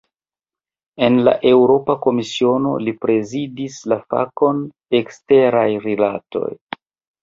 En la Eŭropa Komisiono, li prezidis la fakon "eksteraj rilatoj".